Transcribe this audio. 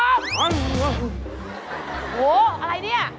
โอ้โหอะไรเนี่ย